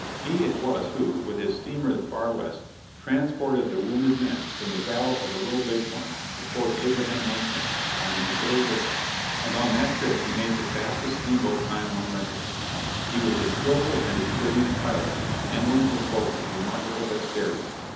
He it was who, with his steamer the Far West, transported the wounded men from the battle of the Little Big Horn to Fort Abraham Lincoln on the Missouri river, and on that trip he made the fastest steamboat time on record. He was a skillful and experienced pilot, handling his boat with remarkable dexterity.